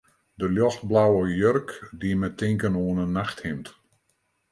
De ljochtblauwe jurk die my tinken oan in nachthimd.